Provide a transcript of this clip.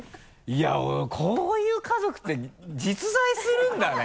いやこういう家族って実在するんだね？